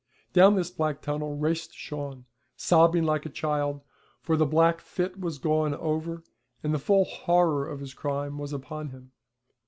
Down this black tunnel raced Shawn, sobbing like a child, for the black fit was gone over and the full horror of his crime was upon him.